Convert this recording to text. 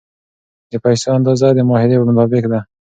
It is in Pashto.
د پیسو اندازه د معاهدې مطابق ده.